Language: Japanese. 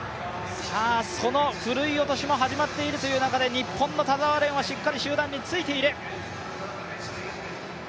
そのふるい落としも始まっているという中で日本の田澤廉はしっかり集団についている。